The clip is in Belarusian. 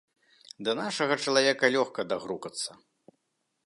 Да нашага чалавека лёгка дагрукацца.